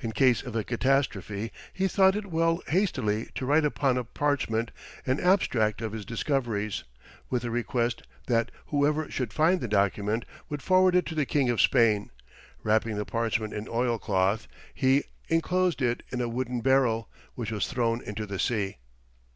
In case of a catastrophe, he thought it well hastily to write upon a parchment an abstract of his discoveries, with a request that who ever should find the document would forward it to the King of Spain; wrapping the parchment in oil cloth, he enclosed it in a wooden barrel, which was thrown into the sea.